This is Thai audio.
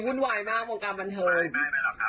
ฉีดวัคซีนแล้วเราก็จะได้ทำหาหาชินได้